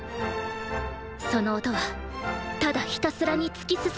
その音はただひたすらに突き進む音。